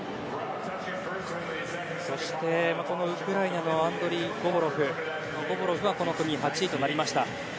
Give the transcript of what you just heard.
そしてウクライナのアンドリー・ゴボロフはゴボロフはこの組８位となりました。